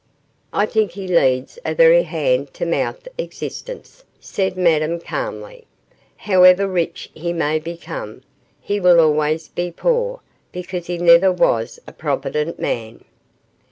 'I think he leads a very hand to mouth existence,' said Madame, calmly; 'however rich he may become, he will always be poor, because he never was a provident man.